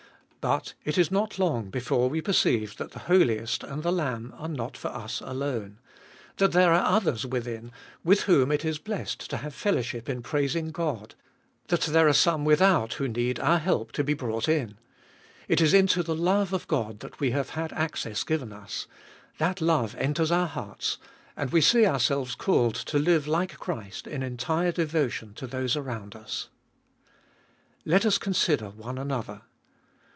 But it is not long before we perceive that the Holiest 394 abe Doltest ot ail and the Lamb are not for us alone ; that there are others within with whom it is blessed to have fellowship in praising God ; that there are some without who need our help to be brought in. It is into the love of God that we have had access given us ; that love enters our hearts ; and we see ourselves called to live like Christ in entire devotion to those around us. Let us consider one another.